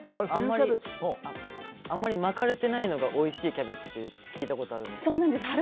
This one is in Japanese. あまり巻かれていないのがおいしいキャベツと聞いたことあるんですけど。